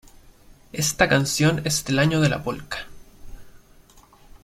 Esta canción es del año de la polca